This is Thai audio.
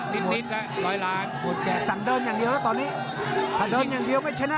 นิดนิดแล้วร้อยล้านหมดแกะสั่งเดินอย่างเดียวแล้วตอนนี้ถ้าเดินอย่างเดียวไม่ชนะ